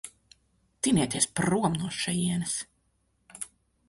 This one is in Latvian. Tinieties prom no šejienes.